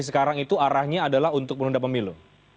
sekarang itu arahnya adalah untuk menunda pemilu